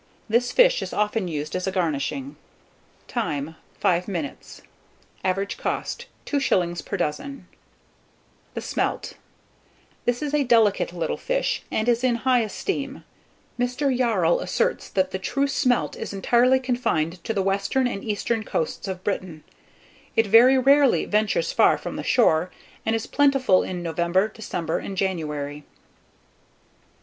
This fish is often used as a garnishing. Time. 5 minutes. Average cost, 2s. per dozen. Seasonable from October to May. [Illustration: THE SMELT.] THE SMELT. This is a delicate little fish, and is in high esteem. Mr. Yarrell asserts that the true smelt is entirety confined to the western and eastern coasts of Britain. It very rarely ventures far from the shore, and is plentiful in November, December, and January.